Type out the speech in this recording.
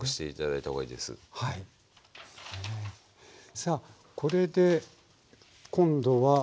さあこれで今度は。